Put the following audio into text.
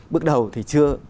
bước đầu thì chưa